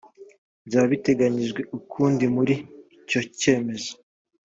byaba biteganyijwe ukundi muri icyo cyemezo